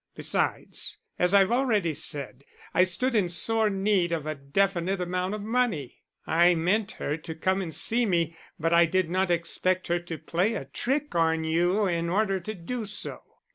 Besides, as I have already said, I stood in sore need of a definite amount of money. I meant her to come and see me, but I did not expect her to play a trick on you in order to do so.